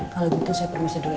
kalau gitu saya permiso dulu pak